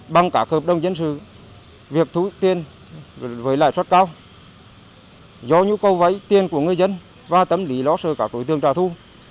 bằng cả hợp đồng dân sự